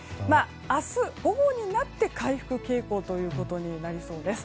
明日午後になって回復傾向となりそうです。